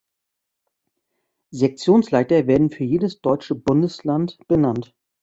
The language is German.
Sektionsleiter werden für jedes deutsche Bundesland benannt.